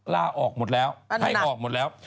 ลาออกหมดแล้วให้ออกหมดแล้ว